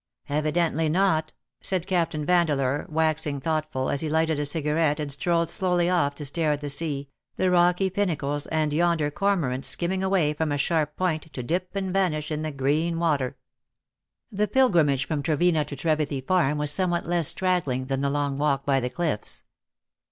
''" Evidently not," said Captain Vandeleur, waxiDg thoughtful, as he lighted a cigarette, and strolled slowly off to stare at the sea, the rocky pin nacles, and yonder cormorant skimming away from a sharp point, to dip and vanish in the green water. 218 ^^HIS LADY smiles; The pilgrimage from Trevena to Trevithy farm was somewhat less straggling than the long walk by the cliffs.